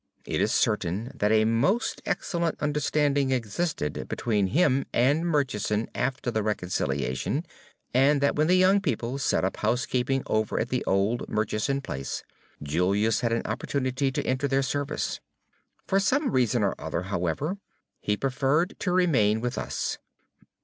It is certain that a most excellent understanding existed between him and Murchison after the reconciliation, and that when the young people set up housekeeping over at the old Murchison place, Julius had an opportunity to enter their service. For some reason or other, however, he preferred to remain with us.